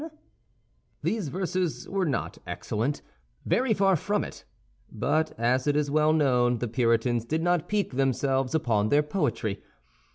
These verses were not excellent—very far from it; but as it is well known, the Puritans did not pique themselves upon their poetry.